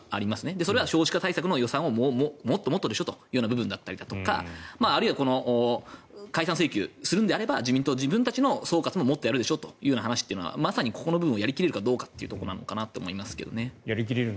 そのためには少子化対策の予算をもっとでしょとかあるいは解散請求するのであれば自民党自体の総括ももっとやるでしょという話はまさにこの部分をやり切れるかどうかなのかなと思いますけどね。